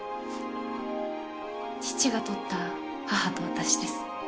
父が撮った母と私です。